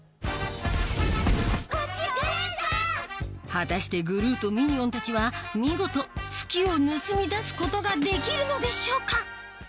果たしてグルーとミニオンたちは見事月を盗み出すことができるのでしょうか？